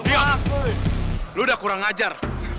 ya lu udah kurang ajar